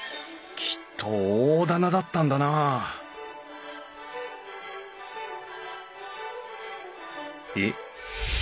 きっと大店だったんだなあえっ